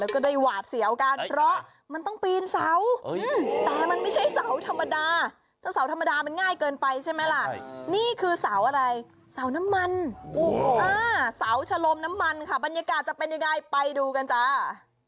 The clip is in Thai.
เขาชะลมน้ำมันค่ะบรรยากาศจะเป็นยังไงไปดูกันจ้า